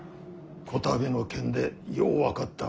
こたびの件でよう分かった。